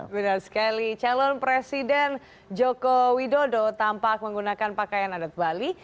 benar sekali calon presiden joko widodo tampak menggunakan pakaian adat bali